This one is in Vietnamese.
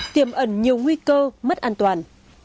tiềm ẩn nhiều nguy cơ mất an toàn